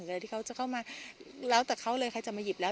อะไรที่เขาจะเข้ามาแล้วแต่เขาเลยใครจะมาหยิบแล้ว